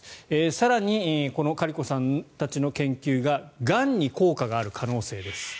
更にこのカリコさんたちの研究ががんに効果がある可能性です。